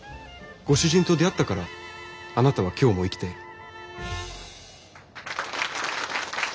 ご主人と出会ったからあなたは今日も生きている。